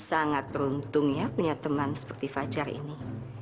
sangat beruntung ya punya teman seperti fajar ini